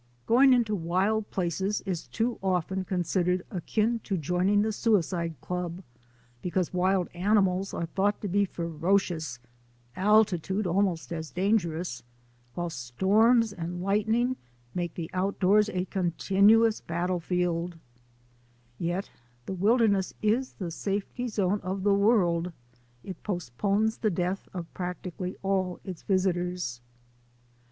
Going into the wild places is too often considered akin to joining the suicide club because wild ani mals are thought to be ferocious, altitude almost as dangerous, while storms and lightning make the outdoors a continuous battlefield. Yet the wilder ness is the safety zone of the world. It postpones the death of practically all its visitors.